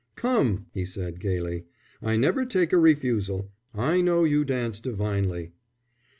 "Come," he said gaily, "I never take a refusal. I know you dance divinely."